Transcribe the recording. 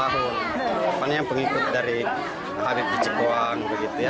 hanya yang pengikut dari kiat kian di cekuang